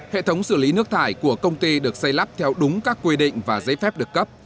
hệ thống xử lý nước thải của công ty được xây lắp theo đúng các quy định và giấy phép được cấp